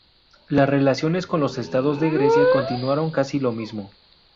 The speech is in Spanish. Las relaciones con los Estados de Grecia continuaron casi lo mismo.